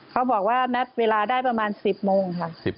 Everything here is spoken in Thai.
เขาบอกว่านัดเวลาได้ประมาณ๑๐โมงค่ะ